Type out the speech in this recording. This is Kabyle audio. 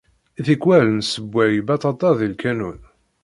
Tikwal nsewway baṭaṭa di lkanun.